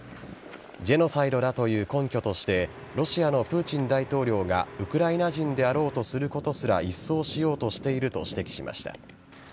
ジェノサイドだという根拠としてロシアのプーチン大統領がウクライナ人であろうとすることすら一掃しようとしていると指摘しました。